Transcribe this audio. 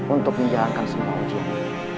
untuk menjalankan semua ujian